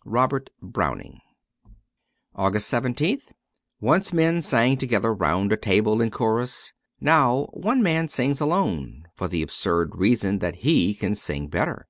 ' Robert Browning,'' 254 AUGUST 17th ONCE men sang together round a table in chorus ; now one man sings alone, for the absurd reason that he can sing better.